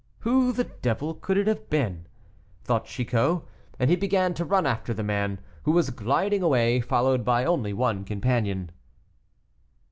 "Who the devil could it have been?" thought Chicot, and he began to run after the man, who was gliding away, followed by only one companion.